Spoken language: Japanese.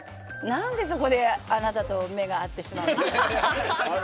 何でそこであなたと目が合ってしまうの？